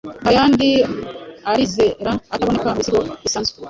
ntayandiarizeraataboneka mubisigo bisanzwe